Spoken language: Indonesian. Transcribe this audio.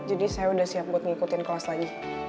jadi saya udah siap buat ngikutin kelas lagi